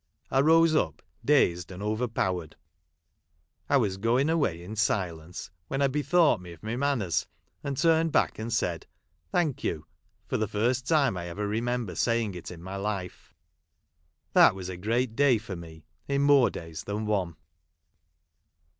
I rose up, dazed and over powered, I was going away in silence, when I bethought me of my manners, and turned back, and said "Thank you," for the first time I ever remember saying it in my life. That was a great day for me, in more ways than one.